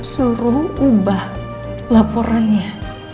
suruh ubah laporannya